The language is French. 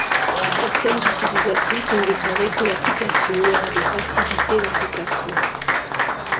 Certaines utilisatrices ont déclaré que l'application leur avait facilité leurs déplacements.